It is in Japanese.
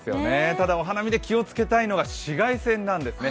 ただ、お花見で気をつけたいのは紫外線なんですね。